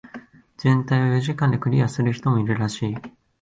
全体を四時間でクリアする人もいるらしい。